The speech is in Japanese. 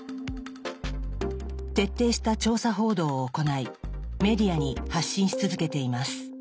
徹底した調査報道を行いメディアに発信し続けています。